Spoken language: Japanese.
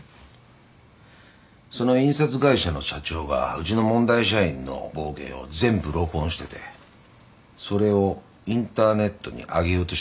その印刷会社の社長がうちの問題社員の暴言を全部録音しててそれをインターネットに上げようとしてたんだ。